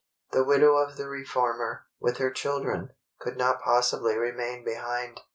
The widow of the Reformer, with her children, could not possibly remain behind.